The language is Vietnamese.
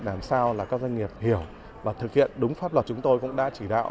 làm sao là các doanh nghiệp hiểu và thực hiện đúng pháp luật chúng tôi cũng đã chỉ đạo